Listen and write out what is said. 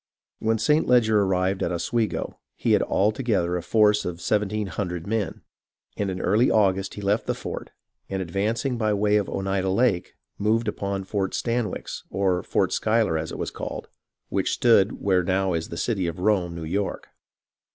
When St. Leger arrived at Oswego, he had altogether a force of seventeen hundred men ; and early in August he left the fort, and, advancing by the way of Oneida Lake, moved upon Fort Stanwix, or Fort Schuyler as it was called, which stood where now is the city of Rome, New York.